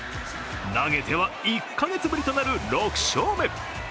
投げては１か月ぶりとなる６勝目。